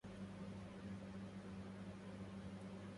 لخالد بيت سوء مثل ساكنه